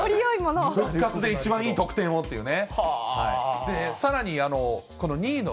復活で一番いい得点をっていうね。